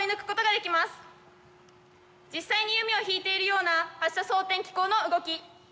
実際に弓を引いているような発射装填機構の動き。